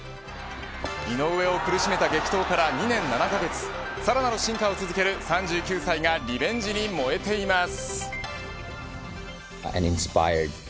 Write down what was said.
井上を苦しめた激闘から２年７カ月さらなる進化を続ける３９歳がリベンジに燃えています。